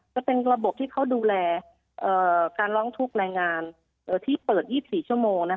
จะเป็นระบบที่เขาดูแลการร้องทุกข์แรงงานที่เปิด๒๔ชั่วโมง